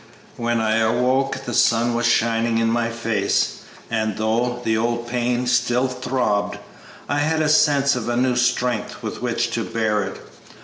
When I awoke the sun was shining in my face, and, though the old pain still throbbed, I had a sense of new strength with which to bear it.